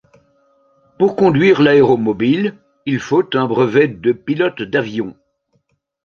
Pour conduire l'AeroMobil, il faut un brevet de pilote d'avion.